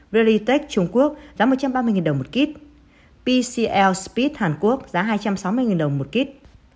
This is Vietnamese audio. veritech trung quốc giá một trăm ba mươi đồng một kết pcl speed hàn quốc giá hai trăm sáu mươi đồng một kết